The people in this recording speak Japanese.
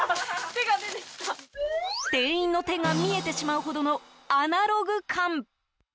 店員の手が見えてしまうほどのアナログ感。